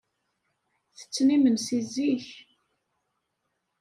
Ttetten imensi zik.